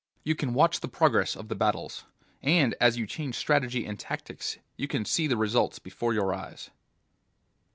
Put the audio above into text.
You can watch the progress of the battles, and as you change strategy and tactics you can see the results before your eyes."